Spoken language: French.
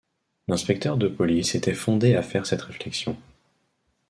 L’inspecteur de police était fondé à faire cette réflexion.